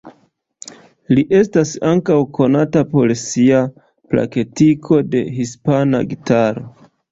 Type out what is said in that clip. Li estas ankaŭ konata por sia praktiko de hispana gitaro.